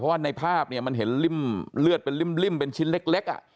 ว่าในภาพเนี่ยมันเห็นริ่มเลือดเป็นริ่มเป็นชิ้นเล็ก